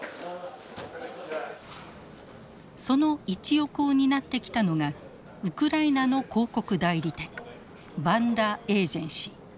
その一翼を担ってきたのがウクライナの広告代理店バンダ・エージェンシー。